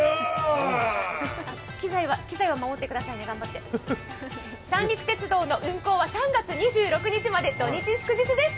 機材は守ってくださいね、頑張って三陸鉄道の運行は３月２６日まで土・日・祝日です。